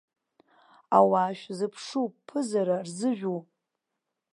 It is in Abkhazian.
Ауаа шәзыԥшуп, ԥызара рзыжәу!